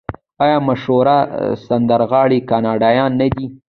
آیا مشهور سندرغاړي کاناډایان نه دي؟